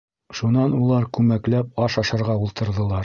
Шунан улар күмәкләп аш ашарға ултырҙылар.